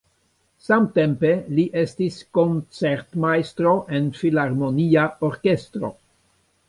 Samtempe li estis koncertmajstro en filharmonia orkestro.